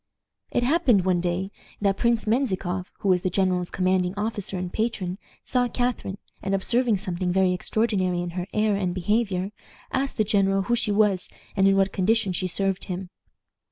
"It happened one day that Prince Menzikoff, who was the general's commanding officer and patron, saw Catharine, and, observing something very extraordinary in her air and behavior, asked the general who she was and in what condition she served him.